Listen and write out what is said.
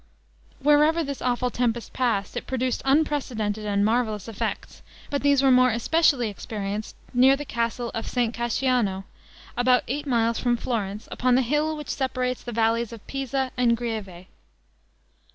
Wherever this awful tempest passed, it produced unprecedented and marvelous effects; but these were more especially experienced near the castle of St. Casciano, about eight miles from Florence, upon the hill which separates the valleys of Pisa and Grieve.